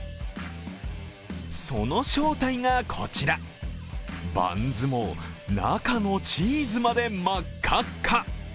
その正体がこちら、バンズも中のチーズまで真っ赤っか。